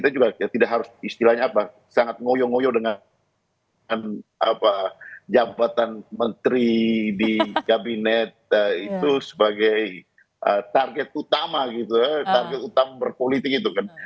jangan lupa jabatan menteri di kabinet itu sebagai target utama gitu target utama berpolitik itu kan